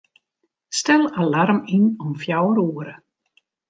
Stel alarm yn om fjouwer oere.